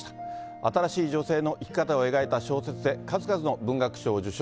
新しい女性の生き方を描いた小説で数々の文学賞を受賞。